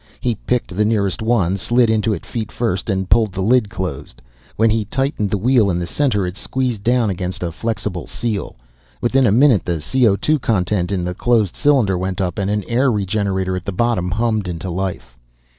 He picked the nearest one, slid into it feet first, and pulled the lid closed. When he tightened the wheel in the center, it squeezed down against a flexible seal. Within a minute the CO content in the closed cylinder went up and an air regenerator at the bottom hummed into life.